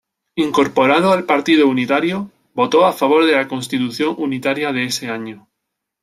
Incorporado al partido unitario, votó a favor de la constitución unitaria de ese año.